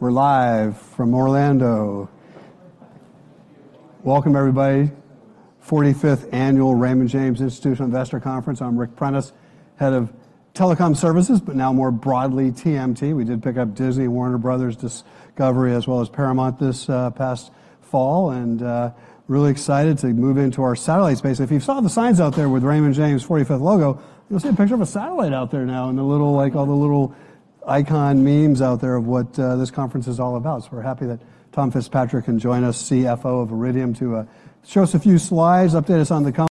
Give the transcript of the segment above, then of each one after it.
We're live from Orlando. Welcome, everybody. 45th Annual Raymond James Institutional Investor Conference. I'm Ric Prentiss, head of telecom services, but now more broadly TMT. We did pick up Disney, Warner Bros. Discovery as well as Paramount this past fall and really excited to move into our satellite space. If you saw the signs out there with Raymond James 45th logo, you'll see a picture of a satellite out there now and the little like all the little icon memes out there of what this conference is all about. So we're happy that Tom Fitzpatrick can join us, CFO of Iridium, to show us a few slides, update us on the company,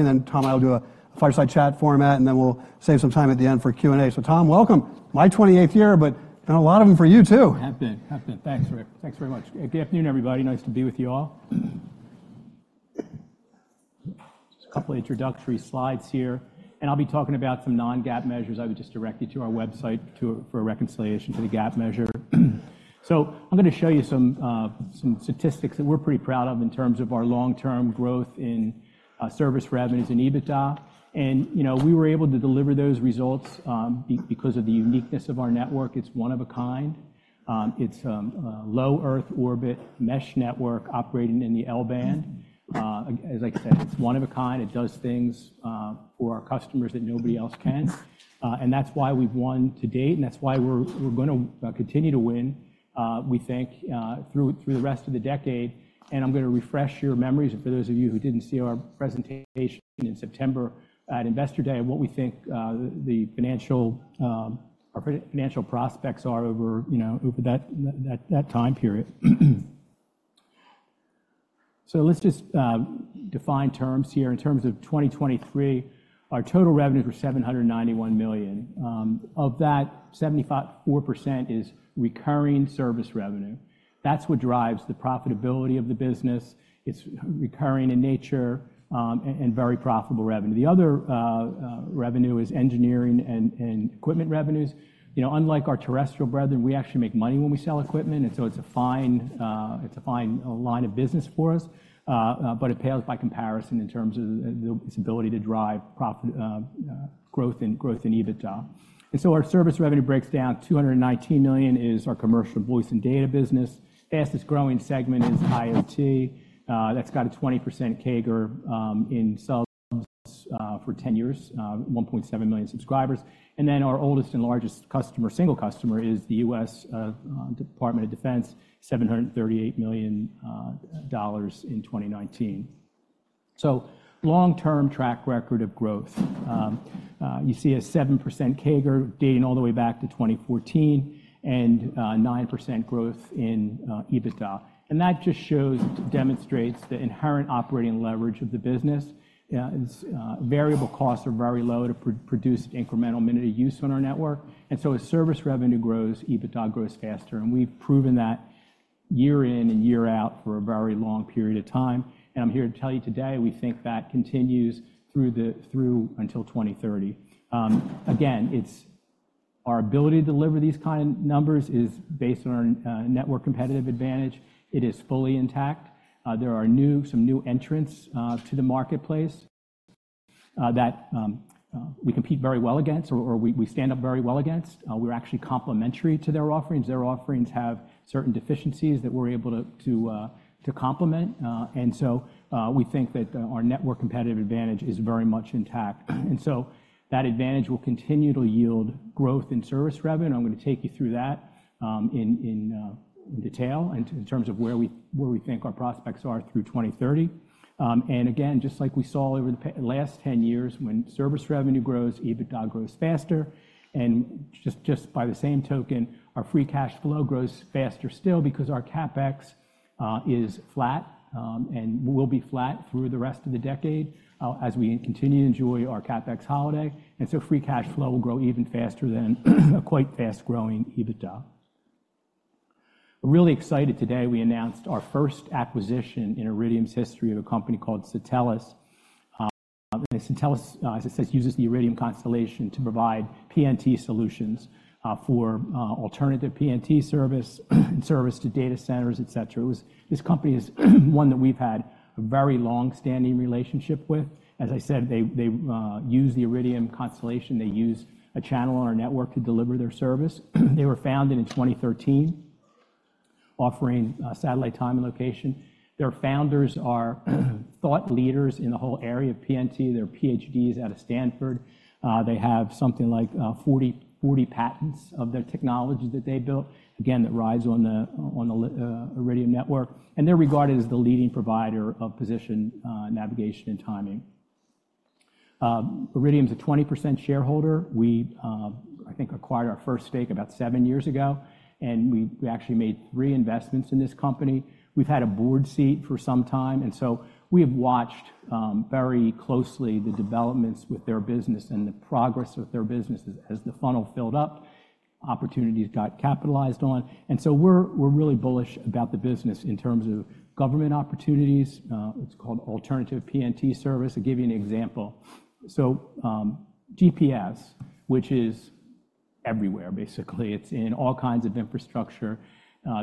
and then Tom, I'll do a fireside chat format and then we'll save some time at the end for Q&A. So Tom, welcome. My 28th year, but a lot of them for you too. Thanks, Ric. Thanks very much. Good afternoon, everybody. Nice to be with you all. Just a couple introductory slides here and I'll be talking about some non-GAAP measures. I would just direct you to our website for a reconciliation to the GAAP measure. I'm going to show you some statistics that we're pretty proud of in terms of our long-term growth in service revenues and EBITDA. You know we were able to deliver those results because of the uniqueness of our network. It's one of a kind. It's a low Earth orbit mesh network operating in the L-band. As I said, it's one of a kind. It does things for our customers that nobody else can. That's why we've won to date and that's why we're going to continue to win, we think, through the rest of the decade. I'm going to refresh your memories for those of you who didn't see our presentation in September at Investor Day and what we think the financial prospects are over that time period. Let's just define terms here. In terms of 2023, our total revenues were $791 million. Of that, 74% is recurring service revenue. That's what drives the profitability of the business. It's recurring in nature and very profitable revenue. The other revenue is engineering and equipment revenues. Unlike our terrestrial brethren, we actually make money when we sell equipment and so it's a fine line of business for us, but it pales by comparison in terms of its ability to drive growth in EBITDA. Our service revenue breaks down. $219 million is our commercial voice and data business. Fastest growing segment is IoT. That's got a 20% CAGR in subs for 10 years, 1.7 million subscribers. And then our oldest and largest single customer is the U.S. Department of Defense, $738 million in 2019. So long-term track record of growth. You see a 7% CAGR dating all the way back to 2014 and 9% growth in EBITDA. And that just demonstrates the inherent operating leverage of the business. Variable costs are very low to produce incremental minute of use on our network. And so as service revenue grows, EBITDA grows faster. And we've proven that year in and year out for a very long period of time. And I'm here to tell you today we think that continues through until 2030. Again, our ability to deliver these kind of numbers is based on our network competitive advantage. It is fully intact. There are some new entrants to the marketplace that we compete very well against or we stand up very well against. We're actually complementary to their offerings. Their offerings have certain deficiencies that we're able to complement. We think that our network competitive advantage is very much intact. That advantage will continue to yield growth in service revenue. I'm going to take you through that in detail in terms of where we think our prospects are through 2030. Again, just like we saw over the last 10 years when service revenue grows, EBITDA grows faster. Just by the same token, our free cash flow grows faster still because our CapEx is flat and will be flat through the rest of the decade as we continue to enjoy our CapEx holiday. Free cash flow will grow even faster than a quite fast-growing EBITDA. Really excited today. We announced our first acquisition in Iridium's history of a company called Satelles. Satelles, as it says, uses the Iridium constellation to provide PNT solutions for alternative PNT service and service to data centers, etc. This company is one that we've had a very longstanding relationship with. As I said, they use the Iridium constellation. They use a channel on our network to deliver their service. They were founded in 2013, offering satellite time and location. Their founders are thought leaders in the whole area of PNT. They're PhDs out of Stanford. They have something like 40 patents of their technology that they built, again, that rise on the Iridium network. They're regarded as the leading provider of positioning, navigation, and timing. Iridium's a 20% shareholder. We, I think, acquired our first stake about seven years ago and we actually made three investments in this company. We've had a board seat for some time and so we have watched very closely the developments with their business and the progress of their business as the funnel filled up, opportunities got capitalized on. So we're really bullish about the business in terms of government opportunities. It's called alternative PNT service. I'll give you an example. So GPS, which is everywhere, basically. It's in all kinds of infrastructure.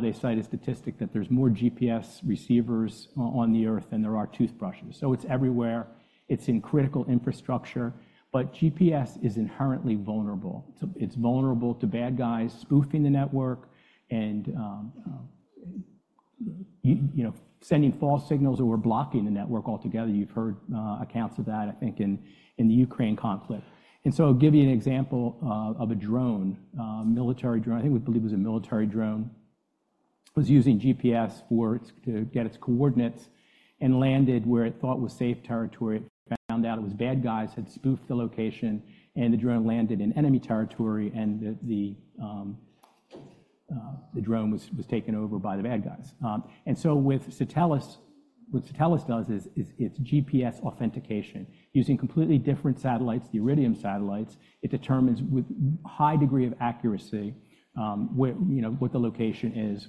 They cite a statistic that there's more GPS receivers on the Earth than there are toothbrushes. So it's everywhere. It's in critical infrastructure, but GPS is inherently vulnerable. It's vulnerable to bad guys spoofing the network and sending false signals or blocking the network altogether. You've heard accounts of that, I think, in the Ukraine conflict. I'll give you an example of a drone, military drone. I think we believe it was a military drone. It was using GPS to get its coordinates and landed where it thought was safe territory. It found out it was bad guys had spoofed the location and the drone landed in enemy territory and the drone was taken over by the bad guys. With Satelles, what Satelles does is its GPS authentication. Using completely different satellites, the Iridium satellites, it determines with high degree of accuracy what the location is.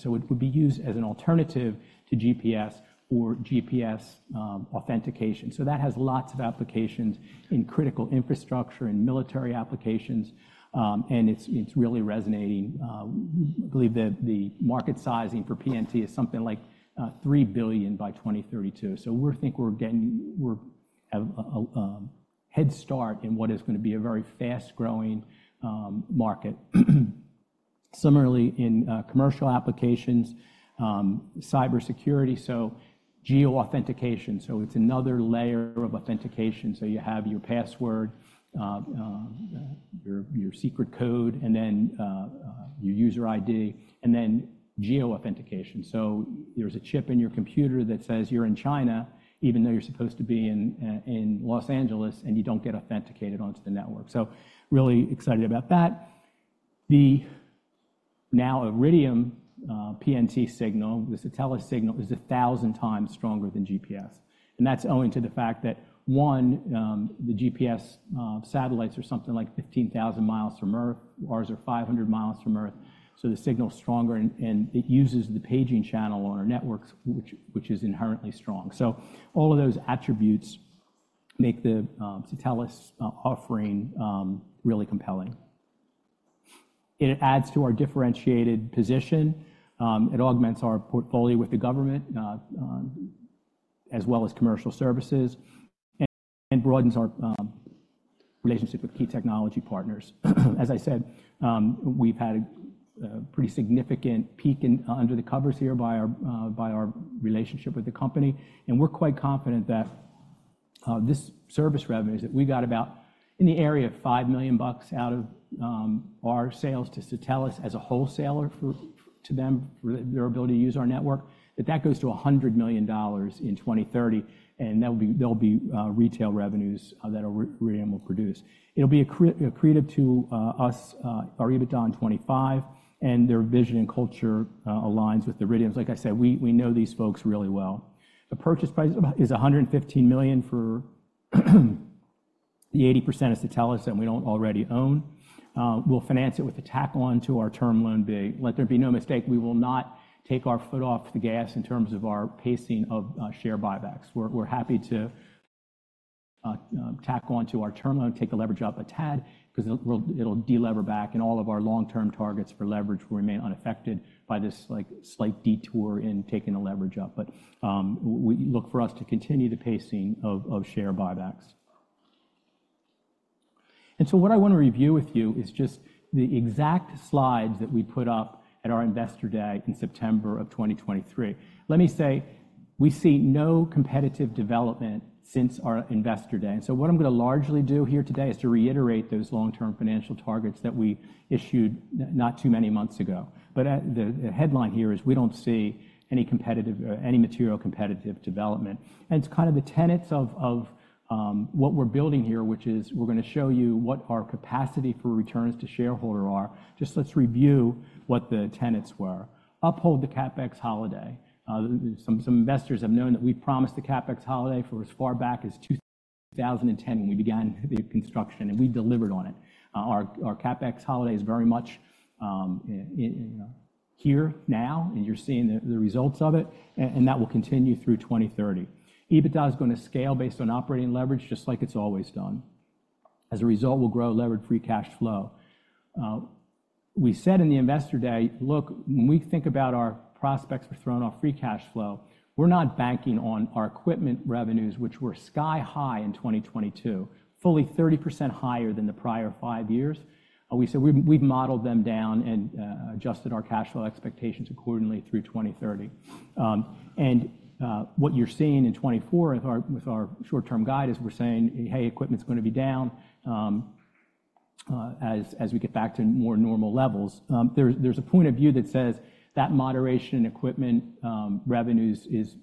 So it would be used as an alternative to GPS or GPS authentication. So that has lots of applications in critical infrastructure and military applications and it's really resonating. I believe the market sizing for PNT is something like $3 billion by 2032. So we think we're getting a head start in what is going to be a very fast-growing market. Similarly, in commercial applications, cybersecurity, so geo-authentication. So it's another layer of authentication. So you have your password, your secret code, and then your user ID, and then geo-authentication. So there's a chip in your computer that says you're in China even though you're supposed to be in Los Angeles and you don't get authenticated onto the network. So really excited about that. Now, Iridium PNT signal, the Certus signal, is 1,000x stronger than GPS. And that's owing to the fact that, one, the GPS satellites are something like 15,000 miles from Earth. Ours are 500 miles from Earth. So the signal's stronger and it uses the paging channel on our networks, which is inherently strong. So all of those attributes make the Certus offering really compelling. It adds to our differentiated position. It augments our portfolio with the government as well as commercial services and broadens our relationship with key technology partners. As I said, we've had a pretty significant peek under the covers here by our relationship with the company and we're quite confident that this service revenue that we got about in the area of $5 million bucks out of our sales to Satelles as a wholesaler to them for their ability to use our network, that that goes to $100 million in 2030 and there'll be retail revenues that Iridium will produce. It'll be accretive to us, our EBITDA on 2025, and their vision and culture aligns with Iridium's. Like I said, we know these folks really well. The purchase price is $115 million for the 80% of Satelles that we don't already own. We'll finance it with a tack-on to our Term Loan B. Let there be no mistake, we will not take our foot off the gas in terms of our pacing of share buybacks. We're happy to tack on to our term loan, take the leverage up a tad because it'll de-lever back and all of our long-term targets for leverage will remain unaffected by this slight detour in taking the leverage up. But look for us to continue the pacing of share buybacks. So what I want to review with you is just the exact slides that we put up at our Investor Day in September of 2023. Let me say, we see no competitive development since our Investor Day. So what I'm going to largely do here today is to reiterate those long-term financial targets that we issued not too many months ago. But the headline here is we don't see any material competitive development. And it's kind of the tenets of what we're building here, which is we're going to show you what our capacity for returns to shareholder are. Just let's review what the tenets were. Uphold the CapEx holiday. Some investors have known that we promised the CapEx holiday for as far back as 2010 when we began the construction and we delivered on it. Our CapEx holiday is very much here now and you're seeing the results of it and that will continue through 2030. EBITDA is going to scale based on operating leverage just like it's always done. As a result, we'll grow levered free cash flow. We said in the Investor Day, look, when we think about our prospects for throwing off free cash flow, we're not banking on our equipment revenues, which were sky high in 2022, fully 30% higher than the prior five years. We said we've modeled them down and adjusted our cash flow expectations accordingly through 2030. And what you're seeing in 2024 with our short-term guide is we're saying, hey, equipment's going to be down as we get back to more normal levels. There's a point of view that says that moderation in equipment revenues is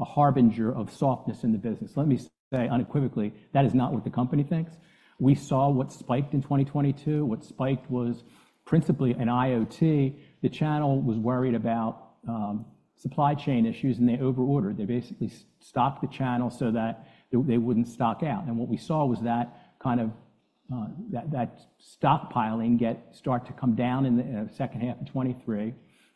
a harbinger of softness in the business. Let me say unequivocally that is not what the company thinks. We saw what spiked in 2022. What spiked was principally in IoT. The channel was worried about supply chain issues and they overordered. They basically stocked the channel so that they wouldn't stock out. What we saw was that kind of that stockpiling start to come down in the second half of 2023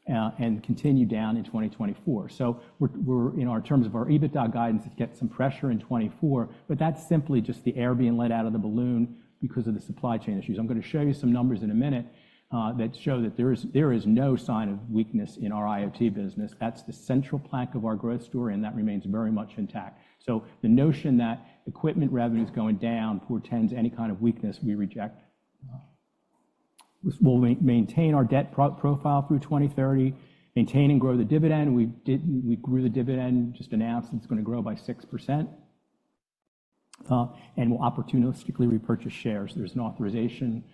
and continue down in 2024. So in terms of our EBITDA guidance, it's got some pressure in 2024, but that's simply just the air being let out of the balloon because of the supply chain issues. I'm going to show you some numbers in a minute that show that there is no sign of weakness in our IoT business. That's the central plank of our growth story and that remains very much intact. So the notion that equipment revenue's going down portends any kind of weakness we reject. We'll maintain our debt profile through 2030, maintain and grow the dividend. We grew the dividend, just announced it's going to grow by 6%, and we'll opportunistically repurchase shares. There's an authorization.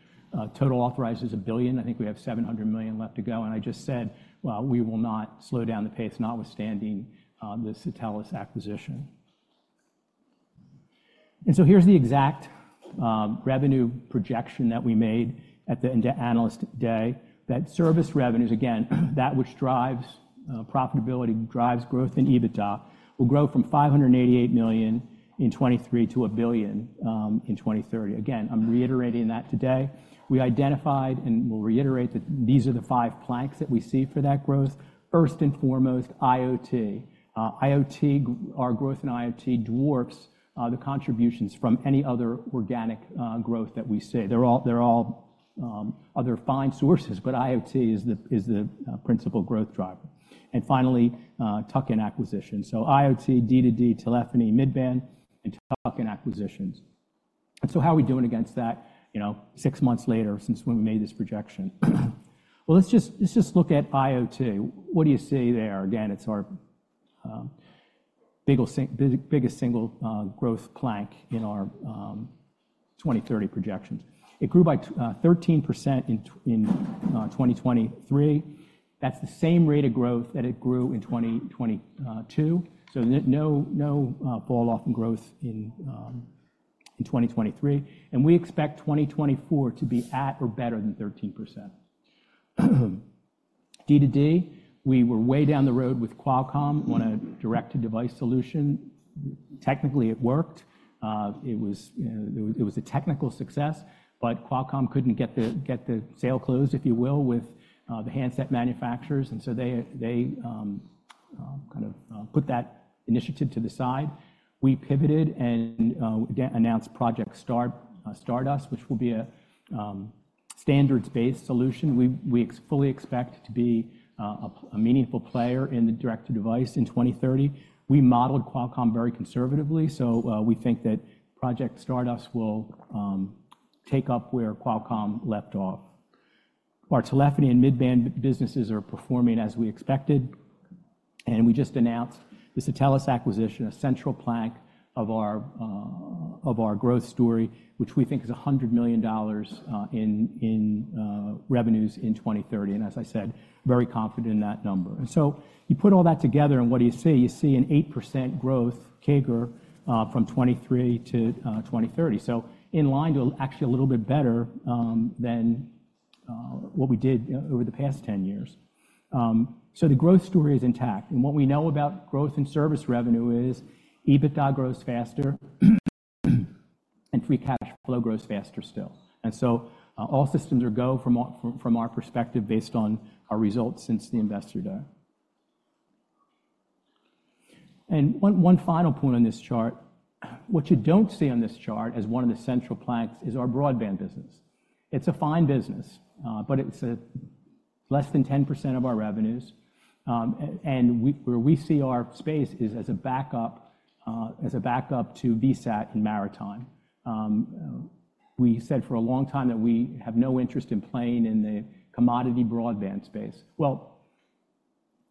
Total authorized is $1 billion. I think we have $700 million left to go. I just said, well, we will not slow down the pace, notwithstanding the Satelles acquisition. So here's the exact revenue projection that we made at the Analyst Day that service revenues, again, that which drives profitability, drives growth in EBITDA, will grow from $588 million in 2023 to $1 billion in 2030. Again, I'm reiterating that today. We identified and we'll reiterate that these are the five planks that we see for that growth. First and foremost, IoT. Our growth in IoT dwarfs the contributions from any other organic growth that we see. They're all other fine sources, but IoT is the principal growth driver. And finally, tuck-in acquisitions. So IoT, D2D, telephony, midband, and tuck-in acquisitions. So how are we doing against that six months later since when we made this projection? Well, let's just look at IoT. What do you see there? Again, it's our biggest single growth plank in our 2030 projections. It grew by 13% in 2023. That's the same rate of growth that it grew in 2022. So no falloff in growth in 2023. And we expect 2024 to be at or better than 13%. D2D, we were way down the road with Qualcomm on a direct-to-device solution. Technically, it worked. It was a technical success, but Qualcomm couldn't get the sale closed, if you will, with the handset manufacturers. And so they kind of put that initiative to the side. We pivoted and announced Project Stardust, which will be a standards-based solution. We fully expect to be a meaningful player in the direct-to-device in 2030. We modeled Qualcomm very conservatively, so we think that Project Stardust will take up where Qualcomm left off. Our telephony and midband businesses are performing as we expected. We just announced the Satelles acquisition, a central plank of our growth story, which we think is $100 million in revenues in 2030. As I said, very confident in that number. So you put all that together and what do you see? You see an 8% growth CAGR from 2023 to 2030. So in line to actually a little bit better than what we did over the past 10 years. So the growth story is intact. What we know about growth and service revenue is EBITDA grows faster and free cash flow grows faster still. So all systems are go from our perspective based on our results since the Investor Day. One final point on this chart. What you don't see on this chart as one of the central planks is our broadband business. It's a fine business, but it's less than 10% of our revenues. Where we see our space is as a backup to VSAT and maritime. We said for a long time that we have no interest in playing in the commodity broadband space. Well,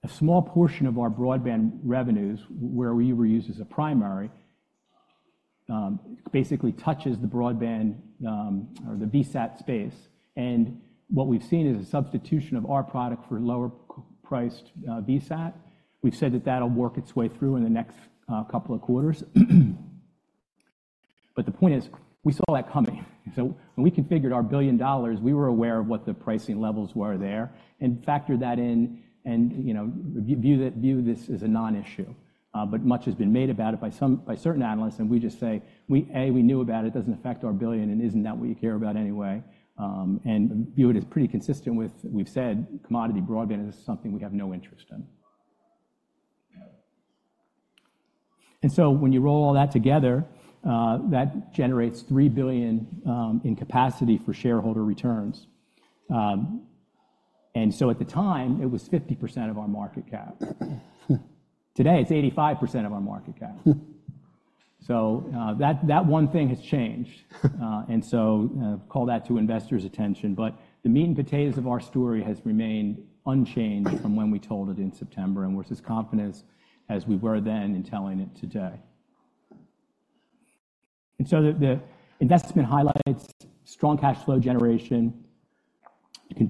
a small portion of our broadband revenues, where we were used as a primary, basically touches the broadband or the VSAT space. What we've seen is a substitution of our product for lower-priced VSAT. We've said that that'll work its way through in the next couple of quarters. But the point is we saw that coming. So when we configured our $1 billion, we were aware of what the pricing levels were there and factored that in and view this as a non-issue. But much has been made about it by certain analysts and we just say, A, we knew about it. It doesn't affect our $1 billion, and isn't that what you care about anyway? And view it as pretty consistent with what we've said: commodity broadband is something we have no interest in. And so when you roll all that together, that generates $3 billion in capacity for shareholder returns. And so at the time, it was 50% of our market cap. Today, it's 85% of our market cap. So that one thing has changed. And so call that to investors' attention. But the meat and potatoes of our story has remained unchanged from when we told it in September, and we're as confident as we were then in telling it today. And so the investment highlights strong cash flow generation. We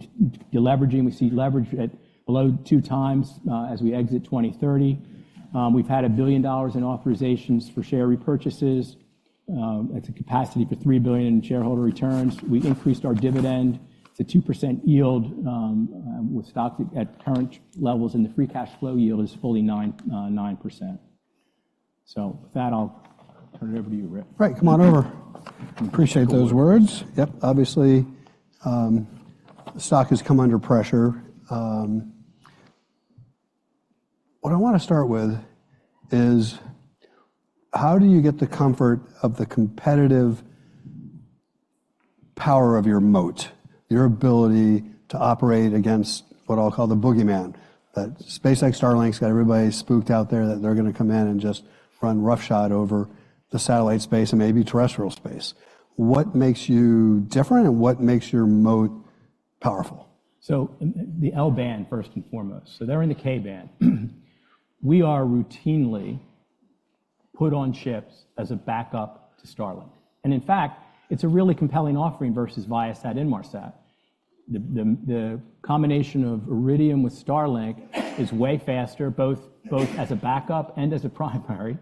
see leverage at below 2x as we exit 2030. We've had $1 billion in authorizations for share repurchases. That's a capacity for $3 billion in shareholder returns. We increased our dividend to 2% yield with stocks at current levels and the free cash flow yield is fully 9%. So with that, I'll turn it over to you, Rick. Right. Come on over. Appreciate those words. Yep. Obviously, the stock has come under pressure. What I want to start with is how do you get the comfort of the competitive power of your moat, your ability to operate against what I'll call the boogeyman? SpaceX, Starlink's got everybody spooked out there that they're going to come in and just run roughshod over the satellite space and maybe terrestrial space. What makes you different and what makes your moat powerful? So the L-band, first and foremost. So they're in the K-band. We are routinely put on ships as a backup to Starlink. And in fact, it's a really compelling offering versus Viasat/Inmarsat. The combination of Iridium with Starlink is way faster, both as a backup and as a primary.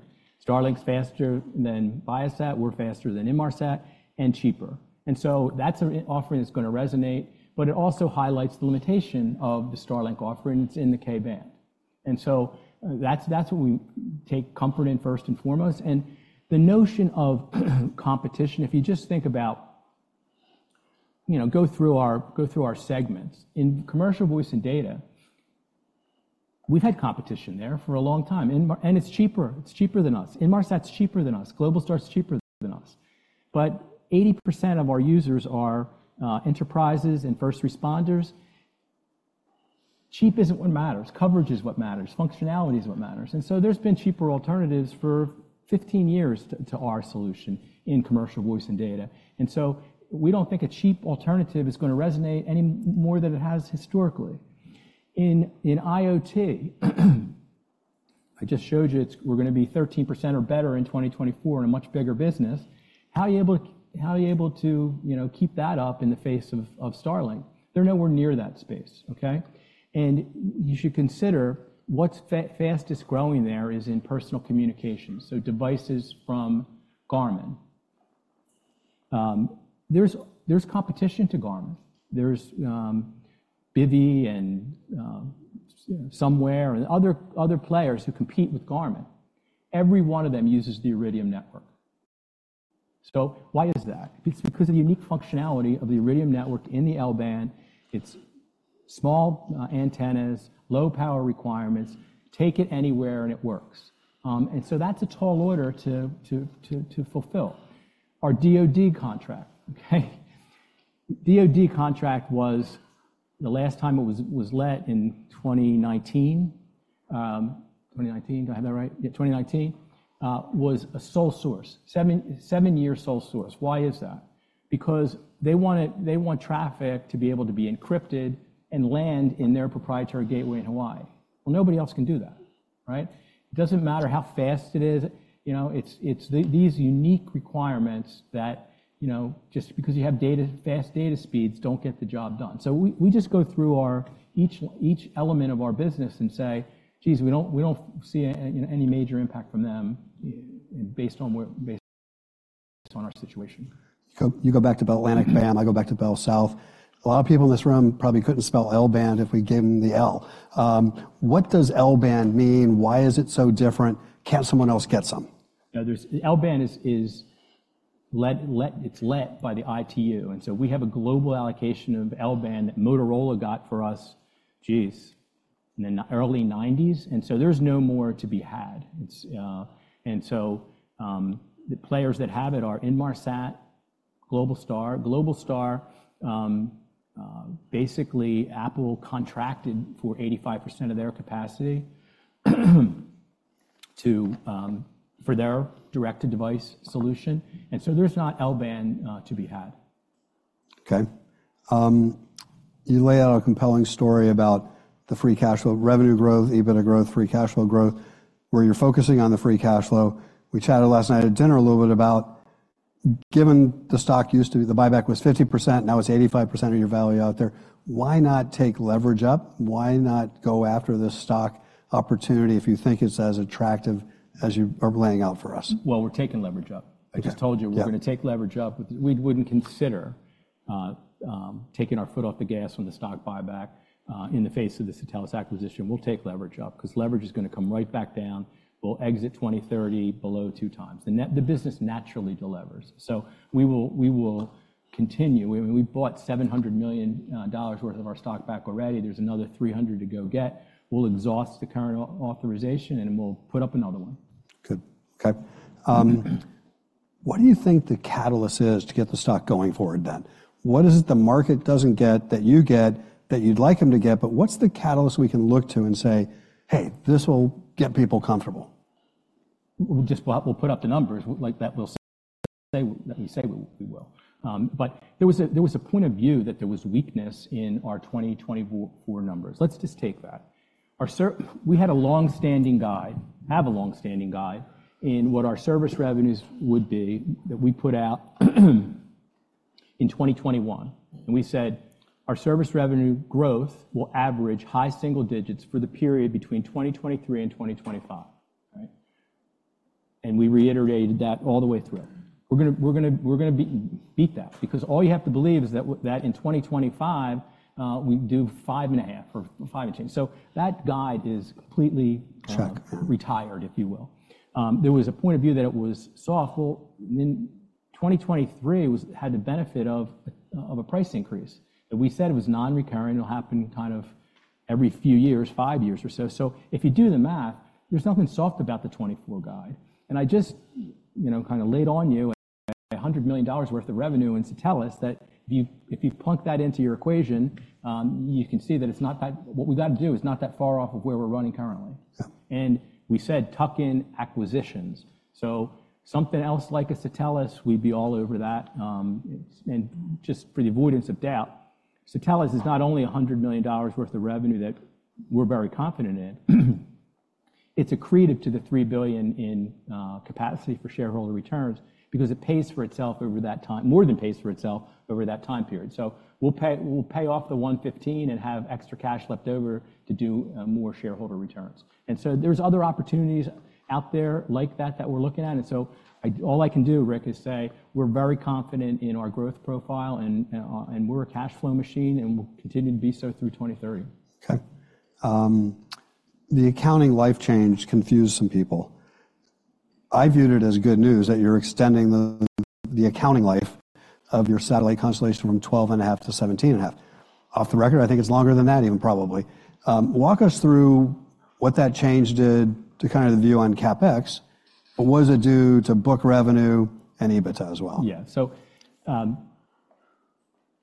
Starlink's faster than Viasat. We're faster than Inmarsat and cheaper. And so that's an offering that's going to resonate, but it also highlights the limitation of the Starlink offering. It's in the K-band. And so that's what we take comfort in, first and foremost. And the notion of competition, if you just think about go through our segments. In commercial voice and data, we've had competition there for a long time. And it's cheaper. It's cheaper than us. Inmarsat's cheaper than us. Globalstar's cheaper than us. But 80% of our users are enterprises and first responders. Cheap isn't what matters. Coverage is what matters. Functionality is what matters. So there's been cheaper alternatives for 15 years to our solution in commercial voice and data. So we don't think a cheap alternative is going to resonate any more than it has historically. In IoT, I just showed you we're going to be 13% or better in 2024 in a much bigger business. How are you able to keep that up in the face of Starlink? They're nowhere near that space, okay? You should consider what's fastest growing there is in personal communications, so devices from Garmin. There's competition to Garmin. There's Bivy and Somewear and other players who compete with Garmin. Every one of them uses the Iridium network. So why is that? It's because of the unique functionality of the Iridium network in the L-band. It's small antennas, low power requirements. Take it anywhere and it works. And so that's a tall order to fulfill. Our DoD contract, okay? DoD contract was the last time it was let in 2019. 2019, do I have that right? Yeah, 2019 was a sole source, 7-year sole source. Why is that? Because they want traffic to be able to be encrypted and land in their proprietary gateway in Hawaii. Well, nobody else can do that, right? It doesn't matter how fast it is. It's these unique requirements that just because you have fast data speeds don't get the job done. So we just go through each element of our business and say, geez, we don't see any major impact from them based on our situation. You go back to Bell Atlantic band. I go back to BellSouth. A lot of people in this room probably couldn't spell L-band if we gave them the L. What does L-band mean? Why is it so different? Can't someone else get some? L-band is, it's allocated by the ITU. And so we have a global allocation of L-band that Motorola got for us, geez, in the early 1990s. And so there's no more to be had. And so the players that have it are Inmarsat, Globalstar. Globalstar, basically, Apple contracted for 85% of their capacity for their direct-to-device solution. And so there's not L-band to be had. Okay. You lay out a compelling story about the free cash flow, revenue growth, EBITDA growth, free cash flow growth, where you're focusing on the free cash flow. We chatted last night at dinner a little bit about given the stock used to be the buyback was 50%. Now it's 85% of your value out there. Why not take leverage up? Why not go after this stock opportunity if you think it's as attractive as you are laying out for us? Well, we're taking leverage up. I just told you we're going to take leverage up. We wouldn't consider taking our foot off the gas when the stock buyback in the face of the Certus acquisition. We'll take leverage up because leverage is going to come right back down. We'll exit 2030 below 2x. The business naturally delivers. So we will continue. I mean, we bought $700 million worth of our stock back already. There's another $300 to go get. We'll exhaust the current authorization and we'll put up another one. Good. Okay. What do you think the catalyst is to get the stock going forward then? What is it the market doesn't get that you get that you'd like them to get, but what's the catalyst we can look to and say, hey, this will get people comfortable? We'll put up the numbers. Let me say we will. But there was a point of view that there was weakness in our 2024 numbers. Let's just take that. We had a longstanding guide, have a longstanding guide in what our service revenues would be that we put out in 2021. And we said our service revenue growth will average high single digits for the period between 2023 and 2025, right? And we reiterated that all the way through. We're going to beat that because all you have to believe is that in 2025, we do 5.5 or 5.2. So that guide is completely retired, if you will. There was a point of view that it was soft. Well, then 2023 had the benefit of a price increase. We said it was non-recurring. It'll happen kind of every few years, 5 years or so. So if you do the math, there's nothing soft about the 2024 guide. And I just kind of laid on you $100 million worth of revenue in Certus that if you plunk that into your equation, you can see that it's not that what we've got to do is not that far off of where we're running currently. And we said tuck in acquisitions. So something else like a Certus, we'd be all over that. And just for the avoidance of doubt, Certus is not only $100 million worth of revenue that we're very confident in. It's accretive to the $3 billion in capacity for shareholder returns because it pays for itself over that time more than pays for itself over that time period. So we'll pay off the $115 and have extra cash left over to do more shareholder returns. So there's other opportunities out there like that that we're looking at. So all I can do, Ric, is say we're very confident in our growth profile and we're a cash flow machine and we'll continue to be so through 2030. Okay. The accounting life change confused some people. I viewed it as good news that you're extending the accounting life of your satellite constellation from 12.5 to 17.5 years. Off the record, I think it's longer than that even, probably. Walk us through what that change did to kind of the view on CapEx. But was it due to book revenue and EBITDA as well? Yeah. So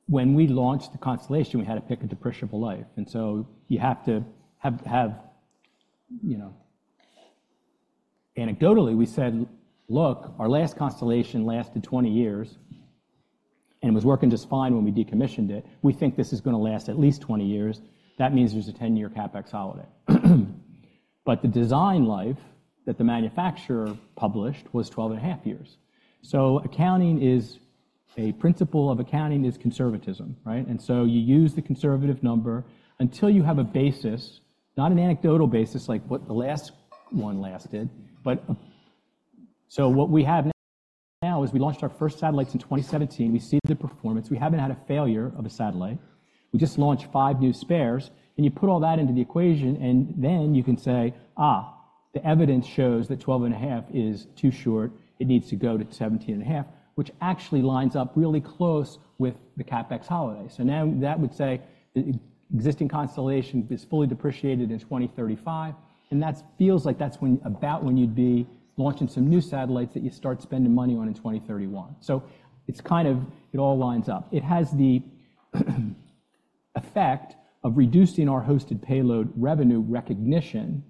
when we launched the constellation, we had to pick a depreciable life. And so you have to have anecdotally, we said, look, our last constellation lasted 20 years and was working just fine when we decommissioned it. We think this is going to last at least 20 years. That means there's a 10-year CapEx holiday. But the design life that the manufacturer published was 12.5 years. So a principle of accounting is conservatism, right? And so you use the conservative number until you have a basis, not an anecdotal basis like what the last one lasted. So what we have now is we launched our first satellites in 2017. We see the performance. We haven't had a failure of a satellite. We just launched 5 new spares. You put all that into the equation and then you can say, the evidence shows that 12.5 years is too short. It needs to go to 17.5 years, which actually lines up really close with the CapEx holiday. So now that would say the existing constellation is fully depreciated in 2035. And that feels like that's about when you'd be launching some new satellites that you start spending money on in 2031. So it's kind of it all lines up. It has the effect of reducing our hosted payload revenue recognition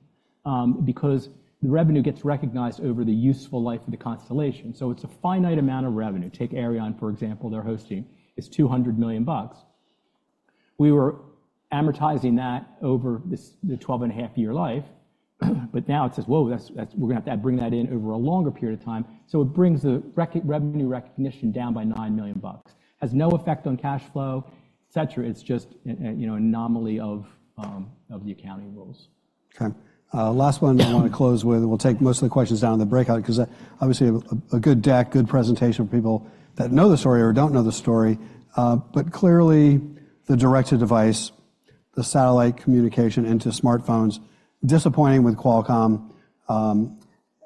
because the revenue gets recognized over the useful life of the constellation. So it's a finite amount of revenue. Take Aireon, for example. Their hosting is $200 million bucks. We were amortizing that over the 12.5-year life but now it says, whoa, we're going to have to bring that in over a longer period of time. So it brings the revenue recognition down by $9 million bucks. Has no effect on cash flow, etc. It's just an anomaly of the accounting rules. Okay. Last one I want to close with. We'll take most of the questions down in the breakout because obviously, a good deck, good presentation for people that know the story or don't know the story. But clearly, the direct-to-device, the satellite communication into smartphones, disappointing with Qualcomm.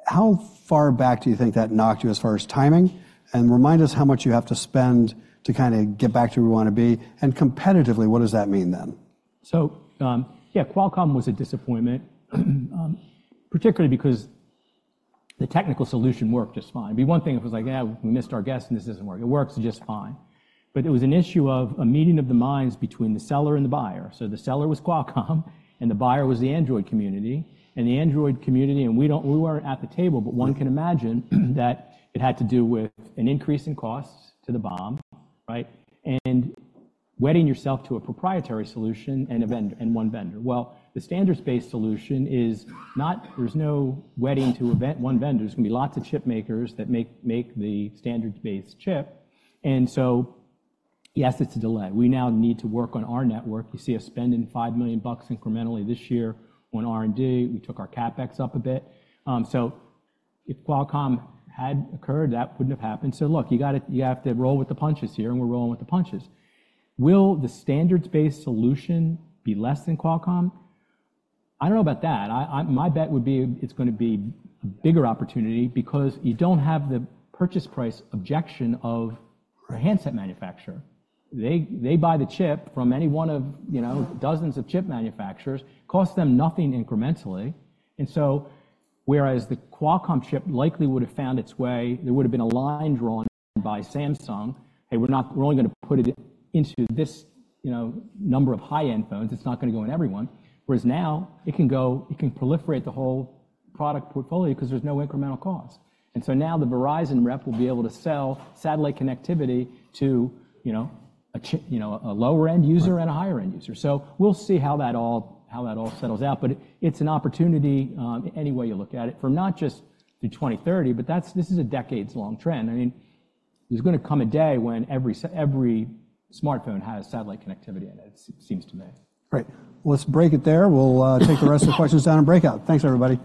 How far back do you think that knocked you as far as timing? And remind us how much you have to spend to kind of get back to where we want to be. And competitively, what does that mean then? So yeah, Qualcomm was a disappointment, particularly because the technical solution worked just fine. I mean, one thing, it was like, yeah, we missed our guest and this doesn't work. It works just fine. But it was an issue of a meeting of the minds between the seller and the buyer. So the seller was Qualcomm and the buyer was the Android community. And the Android community and we weren't at the table, but one can imagine that it had to do with an increase in costs to the BOM, right? And wedding yourself to a proprietary solution and one vendor. Well, the standards-based solution is not. There's no wedding to one vendor. There's going to be lots of chip makers that make the standards-based chip. And so yes, it's a delay. We now need to work on our network. You see us spending $5 million bucks incrementally this year on R&D. We took our CapEx up a bit. So if Qualcomm had occurred, that wouldn't have happened. So look, you have to roll with the punches here and we're rolling with the punches. Will the standards-based solution be less than Qualcomm? I don't know about that. My bet would be it's going to be a bigger opportunity because you don't have the purchase price objection of a handset manufacturer. They buy the chip from any one of dozens of chip manufacturers. Costs them nothing incrementally. And so whereas the Qualcomm chip likely would have found its way, there would have been a line drawn by Samsung, hey, we're only going to put it into this number of high-end phones. It's not going to go in everyone. Whereas now, it can proliferate the whole product portfolio because there's no incremental cost. And so now the Verizon rep will be able to sell satellite connectivity to a lower-end user and a higher-end user. So we'll see how that all settles out. But it's an opportunity any way you look at it, from not just through 2030, but this is a decades-long trend. I mean, there's going to come a day when every smartphone has satellite connectivity in it, it seems to me. Great. Well, let's break it there. We'll take the rest of the questions down in breakout. Thanks, everybody.